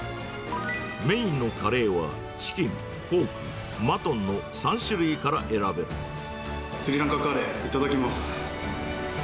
メインのカレーは、チキン、ポーク、マトンの３種類から選べスリランカカレー、いただきます。